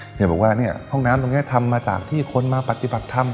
เฮียบอกว่าห้องน้ำตรงนี้ทำมาจากที่คนมาปฏิบัติทำ